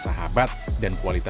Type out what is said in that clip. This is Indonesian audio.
satu dua tiga